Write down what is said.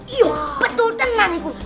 iya betul denganku